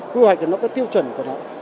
quy hoạch thì nó có tiêu chuẩn của nó